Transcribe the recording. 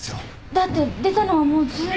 だって出たのはもう随分。